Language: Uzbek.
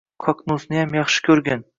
Qonqusniyam yaxshi ko‘rgin.